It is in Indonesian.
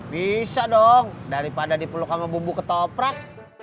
bisa dong daripada dipeluk sama bumbu ketoprak